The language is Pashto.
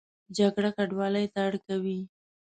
جګړه کډوالۍ ته اړ کوي